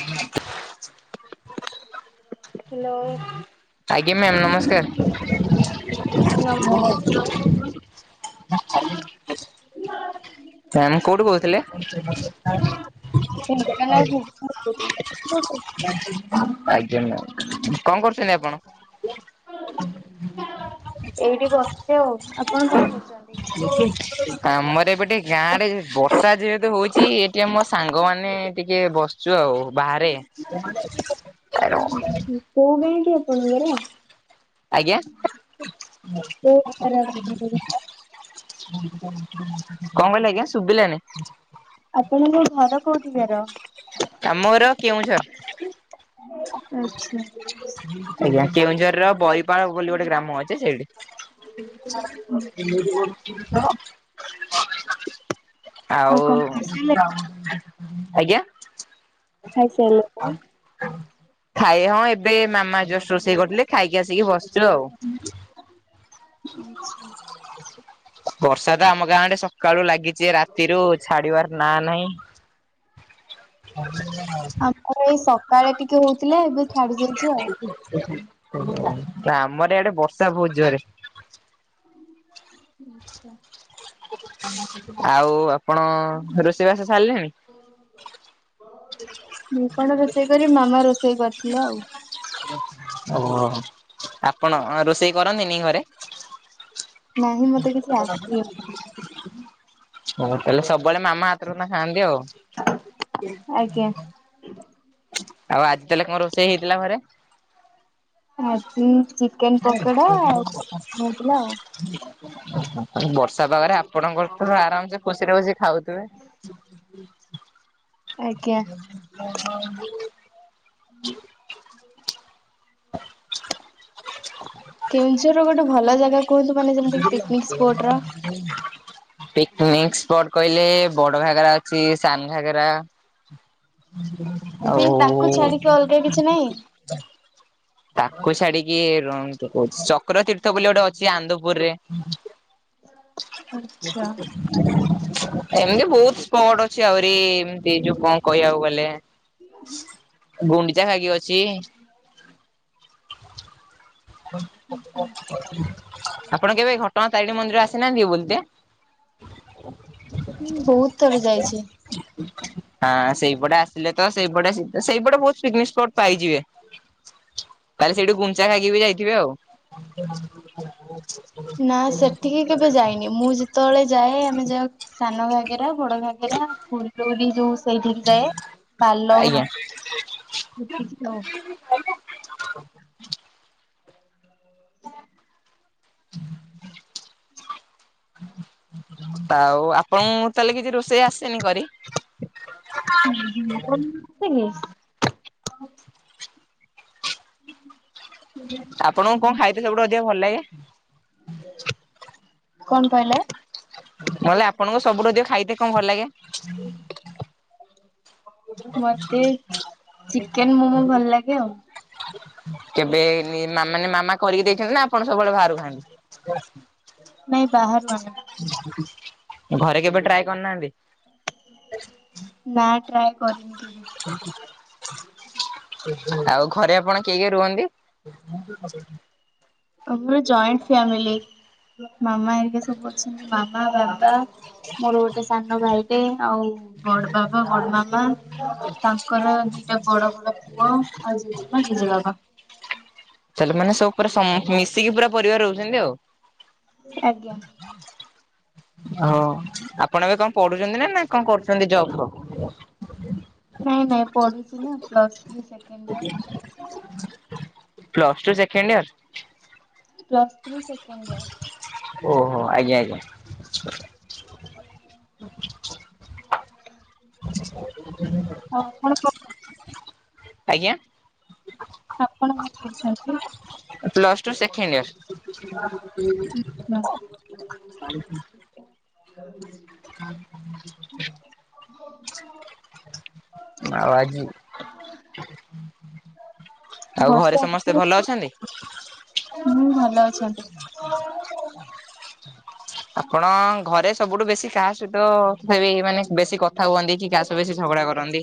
ହୁଁ। ହ୍ୟାଲୋ ଆଜ୍ଞା ମ୍ୟାମ୍ ନମସ୍କାର। [inaudible] ନମ ମ୍ୟାମ କୋଉଠୁ କହୁଥିଲେ? [unintelligible] [unintelligible] ଆଜ୍ଞା ମ୍ୟାମ କଣ କରୁଛନ୍ତି ଆପଣ? ଏଇଠି ବସଚୁ ଆଉ ଆପଣ କଣ କରୁଛନ୍ତି? ଗାଁଡେ ବର୍ଷା ଯେହେତୁ ହଉଛି ଏଠି ଆମୋ ସାଙ୍ଗମାନେ ଟିକେ ବସିଛୁ ଆଉ ବାହାରେ। [inaudible] କୋଉ ଗାଁ କି ଆପଣଙ୍କର? ଆଜ୍ଞା। କଣ କୋଉଠିକାର ଆପଣଙ୍କ ଘର କହିଲେ ଆଜ୍ଞା ଶୁଭିଲାନି? ଆପଣଙ୍କ ଘର କୋଉଠିିକାର? ଆମର କେଉଁଝର। ଆଚ୍ଛା। ଆଜ୍ଞା କେଉଁଝର ର ବରିପାଳ ବୋଲି ଗୋଟେ ଗ୍ରାମ ଅଛି ସେଇଠି। [unintelligible] ଆଉ କଣ ଖାଇସାରିଲେଣି? ଆଜ୍ଞା। ଖାଇସାରିଲେଣି। ଖଇବା ହଁ ଏବେ ମାମା ଜଷ୍ଟ ରୋଷେଇ କରିଥିଲେ ଖାଇକି ଆସିକି ବସିଛୁ ଆଉ। [unintelligible] ବର୍ଷା ତ ଆମ ଗାଁ ଆଡେ ସକାଳୁ ଲାଗିଚି ରା ତିରୁ ଛାଡିବାର ନା ନାହିଁ। ଆ ଏଇ ସକାଳେ ଟିକେ ହଉଥିଲା ଏବେ ଛାଡି ଯାଇଛି ଆଉ। [inaudible] ଆମର ଏଡେ ବର୍ଷା ବହୁତ ଜୋରେ। ଆଚ୍ଛା। ଆଉ ଆପଣ ରୋଷେଇ ବାସ ସାରିଲେଣି। ମୁଁ କଣ ରୋଷେଇ କରିବିମାମା ରୋଷେଇ କରିଥିଲା ଆଉ। ଓହୋ। ଆପଣ ରୋଷେଇ କରନ୍ତିନି ଘରେ। ନାହିଁ ମତେ କିଛି ଆସିବନି। ହଁ ତାହେଲେ ସବୁବେଳେ ମାମା ହାତର ଖାଆନ୍ତି ଆଉ। ଆଜ୍ଞା। ଆଉ ଆଜି ତାହେଲେ କଣ ରୋଷେଇ ହେଇଥିଲା ଘରେ? ଆଜି ଚିକେନ ପକୋଡା ଆଉଥିଲା ଆଉ। ବର୍ଷା ପାଗରେ ଆପଣଙ୍କର ଆରାମ ସେ ଖୁସିରେ ବସି ଖାଉଥିବେ। ଆଜ୍ଞା ହ ହ [unintelligible] କେଉଁଝର ଗୋଟେ ଭଲ ଜାଗା କୁହନ୍ତୁ। ମାନେ ଯେମିତି ପିକନିକ ସ୍ପଟ ର। ପିକନିକ ସ୍ପଟ କହିଲେ ବଡ ଘାଗରା ଅଛି ସାନ ଘାଗେରା। ନାଇଁ ତାକୁ ଛାଡିକି ଅଲଗା କିଛି ନାହିଁ। ଆଉ ତାକୁ ଛାଡିକି କହୁଛି ଚକ୍ର ତୀର୍ଥ ବୋଲି ଗୋଟେ ଅଛି ଆନ୍ଦପୁରରେ। ଦେଖ ଆଚ୍ଛା। [inaudible] ଏମତି ବହୁତ ସ୍ପଟ ଅଛି। ଆହୁରି ଏମତି ଯୋଉ କଣ କହିବାକୁ ଗଲେ [unintelligible] ଗୁଣ୍ଡିଚା ଘଗି ଅଛି। [inaudible] ଆପଣ କେବେ ଘଟଣା ତାରିଣୀ ମନ୍ଦିର ଆସିନାହାନ୍ତି କି ବୁଲିତେ? ହଁ ବହୁତ ଥର ଯାଇଛି। [unintelligible] ହଁ ସେଇପଟେ ଆସିଲେ ତ। ସେଇପଟେ ସେଇପଟେ ବହୁ ପିକନିକ ସ୍ପଟ ପାଇଯିବେ। ତାହେଲେ ସେଇଠୁ ଗୁଣ୍ଡିଚା ଘାଇକି ବି ଯାଇଥିବେ ଆଉ। ନା ସେଠିକି କେବେ ଯାଇନି। ମୁଁ ଯେତେବେଳେ ଯାଏ ଆମେ ଯାଉ ସାନ ଘାଗେରା ବଡ ଘାଗେରା ଫୁଲଲି ଯୋଉ ସେଇଠିକି ଯାଏ। କାଲ ଆଜ୍ଞା ମୁଖ [unintelligible] ହଁ। ହ [unintelligible] ଆଉ ଆପଣଙ୍କୁ ତାହେଲେ କିଛି ରୋଷେଇ ଆସେନି କରି? ହଁ ହୁଁ କି [unintelligible] ଆପଣଙ୍କୁ କଣ ଖାଇଥିଲେ ସବୁଠୁ ଅଧିକା ଭଲ ଲାଗେ? କଣ କହିଲେ? ମୁଁ କହିଲି ଆପଣଙ୍କ ସବୁଠୁ ଆଧିକ ଖାଇତେ କଣ ଭଲ ଲାଗେ? [inaudible] ମତେ ଚିକେନ ମୋମୋ ଭଲ ଲାଗେ ଆଉ। କେବେ ମାନେ ମାମା କରିକି ଦେଇଛନ୍ତି ନା ଆପଣ ସବୁବେଳେ ବାହାରୁ ଖାଆନ୍ତି? [unintelligible] ନାଇଁ ବାହାରୁ ଆଣେ। ଘରେ କେବେ ଟ୍ରାଏ କରିନାହାନ୍ତି? ନା ଟ୍ରାଏ କରିନି। କେବେ। ଠ [unintelligible] ଆଉ ଘରେ ଆପଣ କିଏ କିଏ ରୁହନ୍ତି? ଆମର ଜଏଣ୍ଟ ଫ୍ୟାମିଲି ମାମା ହେରିକା ସବୁ ଅଛନ୍ତି ମାମା, ବାବା ମୋର ଗୋଟେ ସାନ ଭାଇଟେ ଆଉ ବଡ ବାବା ବଡ ମାମା ତାଙ୍କର ଦିଇଟା ବଡ ବଡ ପୁଅ ଆଉ ଜେଜେମା ଜେଜେବାବା। ତାହେଲେ ମାନେ ସବୁ ପୁରା [unintelligible] ମିଶିକି ପୁରା ପରିବାର ରହୁଛନ୍ତି ଆଉ। ଆଜ୍ଞା। ହଁ! ଆପଣ ଏବେ କଣ ପଢୁଛନ୍ତି ନା ନା କଣ କରୁଛନ୍ତି ଜବ୍ ଫବ୍? ନାଇଁ ନାଇଁ ପଢୁଛି ନା ପ୍ଲସ ଥ୍ରୀ। ସେ [inaudible] plus two second year. Plus three second year. ଓହୋ! ଆଜ୍ଞା ଆଜ୍ଞା। ଆଉ ଆପଣ କଣ ଆଜ୍ଞା। ଆପଣ କଣ କରୁଛନ୍ତି? Plus two second year. [unintelligible] [inaudible] ଆଉ ଆଜି ଆଉ ଘରେ ବର୍ଷା ସମସ୍ତେ ହୁଁ ଭଲ ଅଛନ୍ତି? ଭଲ ଅଛନ୍ତି। ଆପଣ ଘରେ ସବୁଠୁ ବେଶୀ କାହା ସହିତ ତଥାପି ମାନେ ବେଶୀ କ ଥା ହୁଅନ୍ତି କି କାହା ସହ ବେଶୀ ଝଗଡ଼ା କରନ୍ତି?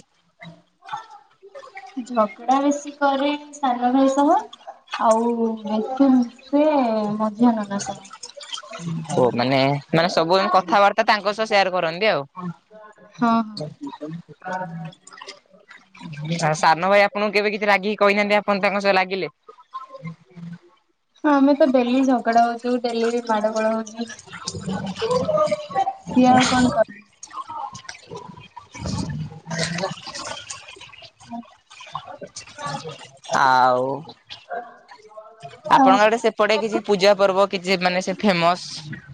ଝଗଡ଼ା ବେଶୀ କରେ ସାନ ଭାଇ ସହ ଆଉ ବେଶୀ ମଝିଆ ନନା ସହ ଓ ମାନେ ନା ସବୁ ଆ କଥାବାର୍ତ୍ତା ତାଙ୍କ ସହ ସେୟାର କରନ୍ତି ଆଉ। ହଁ ହଁ। ସାନ ଭାଇ ଆପଣଙ୍କୁ କେବେ କିଛି ରାଗିକି କହିନାହାନ୍ତି ଆପଣ ତାଙ୍କ ସହ ଲାଗିଲେ? ଆମେ ତ ଡ଼େଲି ଝଗଡ଼ା ହଉଛୁ ଡ଼େଲି ମାଡ଼ ଗୋଳ ହଉଛୁ। [inaudible] ସିଏ ଆଉ କଣ କ ଆଉ ଆଉ ଆପଣଙ୍କ ଆଡ଼େ ସେପଟେ କିଛି ପୂଜା ପର୍ବ କିଛି ମାନେ ସେ ଫେମସ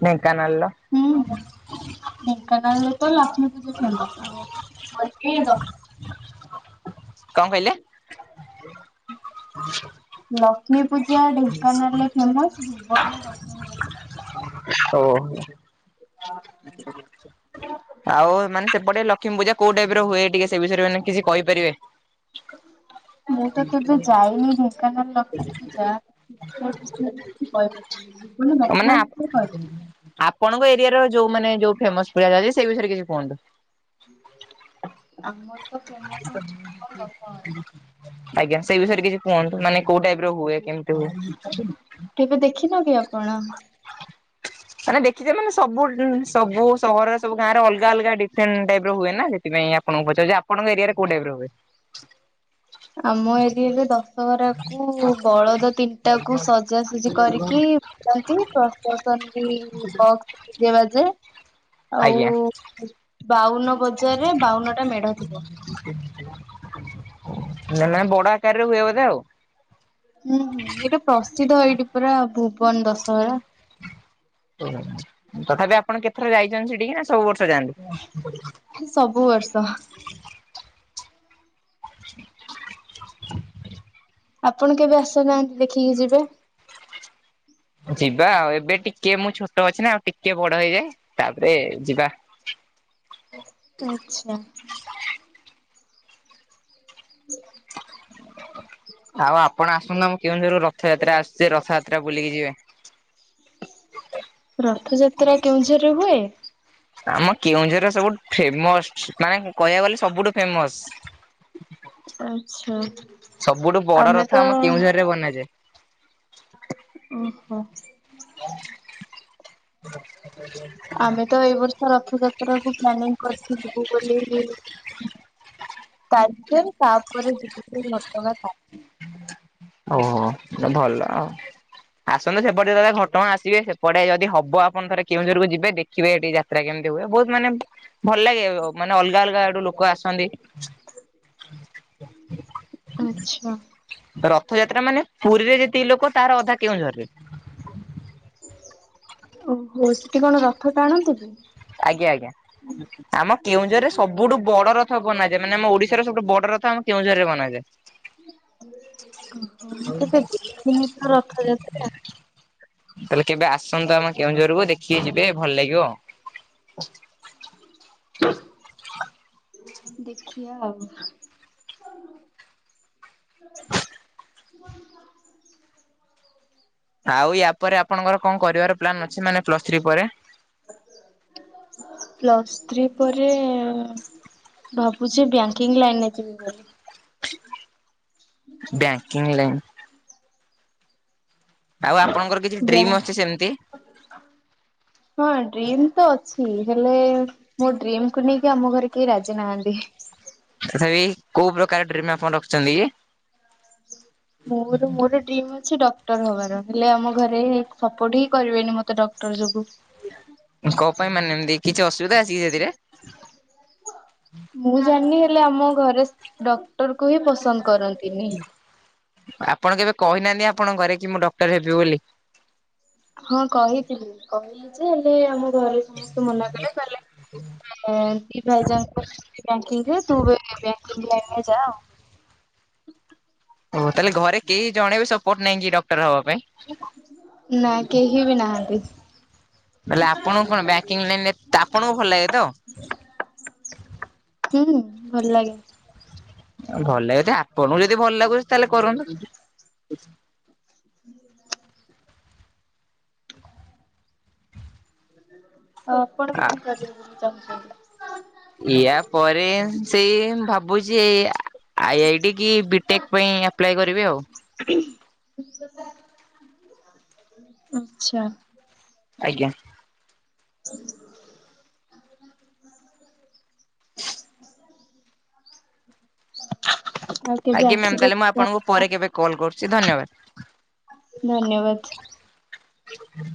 ଢେଙ୍କାନାଳର? ହୁଁ ଢେଙ୍କାନାଳରେ ତ ଲକ୍ଷ୍ମୀ ପୂଜା ଫେମସ ଆଉ ବାକି ଦଶ୍ କଣ କହିଲେ? [inaudible] [inaudible] ଲକ୍ଷ୍ମୀ ପୂଜା ଢେଙ୍କାନାଳରେ ଫେମସ ଭୁବନରେ ଦଶହରା। ଓ ହୋ। ଆଉ ମାନେ ସେପଟେ ଲକ୍ଷ୍ମୀ ପୂଜା କୋଉ ଟାଇପର ହୁଏ ଟିକେ ସେ ସେ ବିଷୟରେ ମାନେ କିଛି କହିପାରିବେ। ମୁଁ ତ କେବେ ଯାଇନି ଢ଼େଙ୍କାନାଳ ଲକ୍ଷ୍ମୀ ପୂଜା। [unintelligible] ଭୁବନ ଦଶହରା ମୁ ମାନେ ଆ କହିଦେବି। ଆପଣଙ୍କ ଏରିଆର ଯୋଉ ମାନେ ଯୋଉ ଫେମସ ପୂଜା ଚାଲିଛି ସେଇ ବିଷୟରେ କିଛି କୁହନ୍ତୁ। [inaudible] ଆମର ତ ଫେମସ ଅଛି କଣ ଦଶହରା। ଆଜ୍ଞା ସେଇ ବିଷୟରେ କିଛି କୁହନ୍ତୁ ମାନେ କୋଉ ଟାଇପ ର ହୁଏ, କେମିତି ହୁଏ? କେବେ ଦେଖିନକି ଆପଣ? ମାନେ ଦେଖିଛ ମାନେ ସବୁ ସବୁ ସହର ସବୁ ଗାଁରେ ଅଲଗା ଅଲଗା ଡ଼ି ଫେଣ୍ଟ୍ ଟାଇପର ହୁଏ ନା ସେଥିପାଇଁ ଆପଣଙ୍କୁ ପଚାରୁଛି ଆପଣଙ୍କ ଏରିଆରେ କୋଉ ଟାଇପ ର ହୁଏ। ଆମ ଏରିଆରେ ଦଶହରା କୁ ବଳଦ ତିନିଟା କୁ ସଜାସଜି କରିକି ବୁଲାନ୍ତି [unintelligible] ବକ୍ସ ଡ଼ିଜେ ବାଜେ ଆଉ ଆଜ୍ଞା ବାଉନ ବଜ ନାନା ବଡ଼ ଆକାରରେ ହୁଏ ବୋଧେ ଆଉ? ହୁଁ ହୁଁ ଏଇଟା ପ୍ରସିଦ୍ଧ ଏଇଠି ପରା ଭୁବନ ଦଶହରା। ଓହୋ ତଥାପି ଆପଣ କେଥର ଯାଇଛନ୍ତି ସେଠିକି ନା ସବୁ ବର୍ଷ ଯାଆନ୍ତି? ସବୁ ବର୍ଷ। ହ ଆପଣ କେବେ ଆସନାହାନ୍ତି ଦେଖିକି ଯିବେ। ଯିବା ଆଉ ଏବେ ଟିକେ ମୁଁ ଛୋଟ ଅଛି ନା ଆଉ ଟିକେ ବଡ଼ ହେଇଯାଏ ତାପରେ ଯିବା। ଆଚ୍ଛା। ଆଉ ଆପଣ ଆସନ୍ତୁ ଆମ କେଉଁଝର ର ରଥଯାତ୍ରା ଆସୁଛି ରଥଯାତ୍ରା ବୁଲିକି ଯିବା ରଥଯାତ୍ରା କେଉଁଝର ହୁଏ? ଆମ କେଉଁଝର ସବୁଠୁ ଫେମସ୍ ମାନେ କହିବାକୁ ଗଲେ ସବୁଠୁ ଫେମସ ଆଚ୍ଛା ସବୁଠୁ ବଡ ଆମେ ତ ରଥ ଆମ କେଉଁଝରରେ ବନାଯାଏ। ଓହୋ। [inaudible] ଆମେ ତ ଏଇ ବର୍ଷ ରଥଯାତ୍ରା କୁ ପ୍ଲାନିଂ କରିଛ ଯିବୁ ବୋଲି ତାଲଚେର୍ ତାପରେ ଯିବୁଁ ଘଟଗାଁ ତାରିଣୀ ଓହୋ ଭଲ ଆଉ। ଆସନ୍ତୁ ସେପଟ ଯଦି ଘଟଗାଁ ଆସିବେ ସେପଟେ ଯଦି ହବ ଆପଣ ଥରେ କେଉଁଝରକୁ ଯିବେ ଦେଖିବେ ଏଠି ଯା ସେଟା କେମିତି ହୁଏ ବହୁତ ମାନେ ଭଲ ଲାଗେ ମାନେ ଅଲଗା ଅଲଗା ଆଡୁ ଲୋକ ଆସନ୍ତି ଆଛା। ରଥଯାତ୍ରା ମାନେ ପୁରୀରେ ଯେତିି ଲୋକ ତାର ଅଧା କେଉଁଝର ରେ ଓହୋ ସେଠି କଣ ରଥ ଟାଣନ୍ତି କି? ଆଜ୍ଞା ଆଜ୍ଞା। ଆମ କେଉଁଝରରେ ସବୁଠୁ ବଡ ରଥ ବନାଯାଏ ମାନେ ଆମ ଓଡିଶାର ସବୁଠୁ ବଡ ରଥ ଆମ କେଉଁଝରରେ ବନାଯାଏ ଓହୋ, ମୁଁ ତ କେବେ ଦେଖିନି ତୋର ରଥଯାତ୍ରା। ତାହେଲେ କେବେ ଆସନ୍ତୁ ଆମେ କେଉଁଝରକୁ ଦେଖିକି ଯିବେ ଭଲ ଲାଗିବ ଆଉ ଦେଖିବା ଆଉ ଆଉ ୟା ପରେ ଆପଣଙ୍କର କଣ କରିବାର ପ୍ଲାନ୍ ଅଛି ମାନେ ପ୍ଲସ୍ ଥ୍ରୀ ପରେ ପ୍ଲସ୍ ଥ୍ରୀ ପରେ ଭାବୁଛି ବ୍ୟାଙ୍କିଙ୍ଗ ଲାଇନରେ ଯିବି ବୋଲି ବ୍ୟାଙ୍କିଂ ଲାଇନ୍ ଆଉ ଆପଣଙ୍କର କିଛି ଡ୍ରିମ୍ ବ୍ୟାଙ୍କ ଅଛି ସେମିତି? ହଁ ଡ୍ରିମ୍ ତ ଅଛି ହେଲେ ମୋ ଡ୍ରିମକୁୁ ନେଇକି ଆମ ଘରେ କେହି ରାଜି ନାହାନ୍ତି ତଥାପି କୋଉ ପ୍ରକାର ଡ୍ରିମ ଆପଣ ରଖୁଛନ୍ତି କି? ମୋର ମୋର ଡ୍ରିମ୍ ଅଛି ଡକ୍ ଟର୍ ହବାର ହେଲେ ଆମ ଘରେ ସପୋର୍ଟ ହିଁ କରିବେନି ମତେ ଡକ୍ଟର ଯୋଗୁଁ କଣ ପାଇଁ ମାନେ ଏମତି କିଛି ଅସୁବିଧା ଅଛି କି ସେଥିରେ? ମୁଁ ଜାଣିନି ହେଲେ ଆମ ଘରେ ଡକ୍ଟର କୁ ହିଁ ପସନ୍ଦ କରନ୍ତି ଆପଣ କେବେ କହିନାହାନ୍ତି ଆପଣଙ୍କ ଘରେ କି ମୁଁ ଡକ୍ଟର ହେବି ବୋଲି ହଁ କହିଥିଲି କହିଲି ଯେ ହେଲେ ଆମ ଘରେ ସମସ୍ତେ ମନା କଲେ କହିଲେ ଦି ଭାଇ ଯାଙ୍କ କରୁଛନ୍ତି ବ୍ୟାଙ୍କିଙ୍ଗ୍ ରେ ତୁ ବି ବ୍ୟାଙ୍କିଙ୍ଗ୍ ଲାଇନରେ ଯା ଆଉ ଓ ତାହେଲେ ଘରେ କେହି ଜଣେ ବି ସପୋର୍ଟ ନାହିଁ କି ଡକ୍ଟର ହବା ପାଇଁ? ନା କେହି ବି ନାହାନ୍ତି ବଲେ ଆପଣଙ୍କୁ କଣ ବ୍ୟାଙ୍କିଙ୍ଗ ଲାଇନ ଆପଣଙ୍କୁ ଭଲ ଲାଗେ ତ? ହୁଁ ଭଲ ଲାଗେ। ଭଲ ଲାଗୁଛି ଆପଣଙ୍କୁ ଯଦି ଭଲ ଲାଗୁଛି ତାହେଲେ କରନ୍ତୁ। ହୁଁ [inaudible] ଆପଣ ଆ କଣ କରିବେ ବୋଲି ଚାହୁଁଛନ୍ତି? ଇୟା ପରେ ସେଇ ଭାବୁଛି ଏଇ ଆଇ ଆଇ କି ବିଟେକ୍ ପାଇଁ ଆପ୍ଲାଏ କରିବି ଆଉ ଆଛା। ଆଜ୍ଞା। ହୁ [inaudible] ଆ [inaudible] ଆଜ୍ଞା ମ୍ୟାମ ତାହେଲେ ମୁଁ ଆପଣଙ୍କୁ ପରେ କେବେ କଲ୍ କରୁଛି ଧନ୍ୟବାଦ। ଧନ୍ୟବାଦ। ହୁଁ [inaudible]